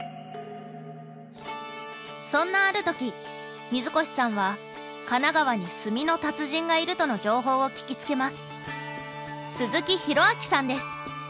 そんなある時水越さんは神奈川に「炭の達人」がいるとの情報を聞きつけます。